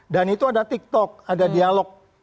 dan itu ada tiktok ada dialog